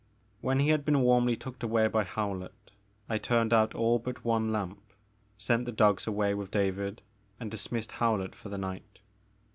When he had been warmly tucked away by Howlett, I turned out all but one lamp, sent the dogs away with David and dismissed Howlett for the night.